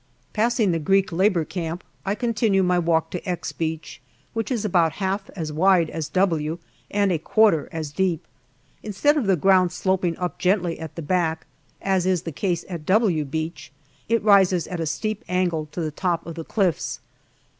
128 GALLIPOLI DIARY Passing the Greek Labour Camp, I continue my walk to " X " Beach, which is about half as wide as " W " and a quarter as deep. Instead of the ground sloping up gently at the back, as is the case at " W " Beach, it rises at a steep angle to the top of the cliffs.